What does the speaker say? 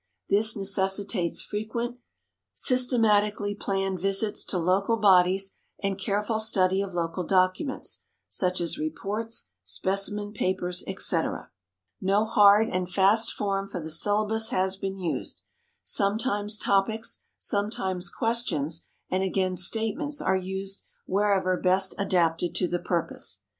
This necessitates frequent, systematically planned visits to local bodies and careful study of local documents, such as reports, specimen papers, etc. No hard and fast form for the syllabus has been used. Sometimes topics, sometimes questions, and again statements are used wherever best adapted to the purpose.